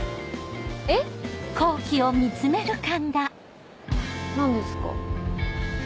え⁉何ですか？